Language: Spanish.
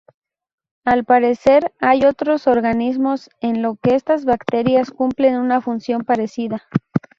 Al parecer hay otros organismos en los que las bacterias cumplen una función parecida.